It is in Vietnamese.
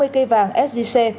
ba mươi cây vàng sgc